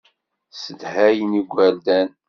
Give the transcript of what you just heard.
Ssedhayen igerdan.